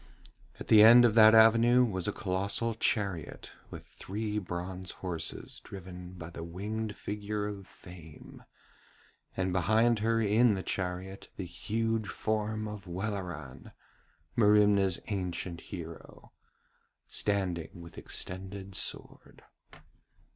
At the end of that avenue was a colossal chariot with three bronze horses driven by the winged figure of Fame, and behind her in the chariot the huge form of Welleran, Merimna's ancient hero, standing with extended sword.